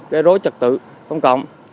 để rối trật tự công cộng